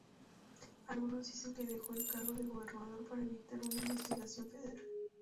Algunos dicen que dejó el cargo de gobernador para evitar una investigación federal.